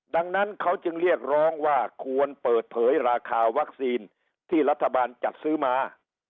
ดังนั้นเขาจึงเรียกร้องว่าควรเปิดเผยราคาวัคซีนที่รัฐบาลจัดซื้อมา